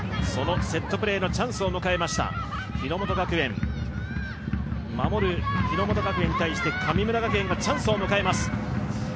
そのセットプレーのチャンスを迎えました、守る日ノ本学園に対して神村学園がチャンスを迎えます。